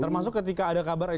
termasuk ketika ada kabar